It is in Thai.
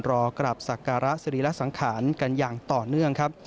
รอกราบสักการะสรีระสังขารกันอย่างต่อเนื่องครับ